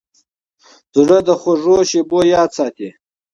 زړه د خوږو شیبو یاد ساتي.